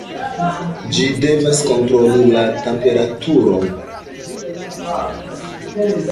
Ĝi devas kontroli la temperaturon.